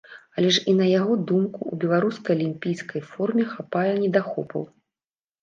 Але ж і на яго думку, у беларускай алімпійскай формы хапае недахопаў.